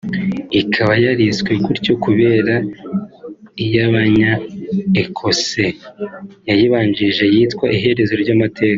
ikaba yariswe gutyo kubera iy’abanya Ecosse yayibanjirije yitwa “ Iherezo ry’Amateka”